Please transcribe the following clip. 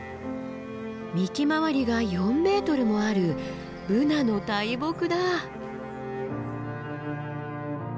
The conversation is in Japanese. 幹回りが４ｍもあるブナの大木だ。